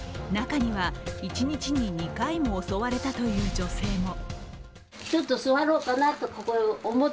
中には一日に２回も襲われたという女性も。